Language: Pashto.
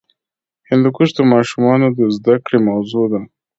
هندوکش د ماشومانو د زده کړې موضوع ده.